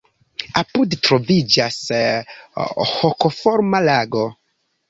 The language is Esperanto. Apude troviĝas hokoforma lago.